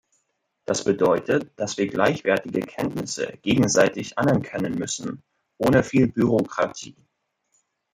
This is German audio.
Das bedeutet, dass wir gleichwertige Kenntnisse gegenseitig anerkennen müssen, ohne viel Bürokratie.